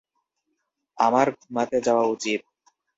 আমার ঘুমাতে যাওয়া উচিৎ।